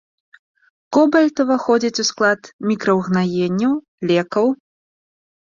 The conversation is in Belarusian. Кобальт уваходзіць у склад мікраўгнаенняў, лекаў.